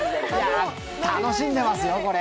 楽しんでますよ、これ。